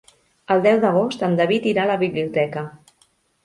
El deu d'agost en David irà a la biblioteca.